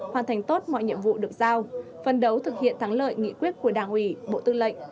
hoàn thành tốt mọi nhiệm vụ được giao phân đấu thực hiện thắng lợi nghị quyết của đảng ủy bộ tư lệnh